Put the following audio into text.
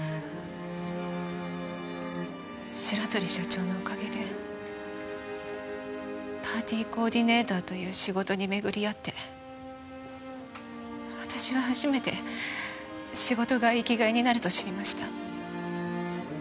白鳥社長のおかげでパーティーコーディネーターという仕事に巡り合って私は初めて仕事が生き甲斐になると知りました。